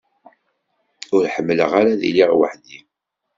Ur ḥemmleɣ ara ad iliɣ weḥd-i.